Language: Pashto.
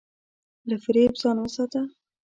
له فریب ځان وساته.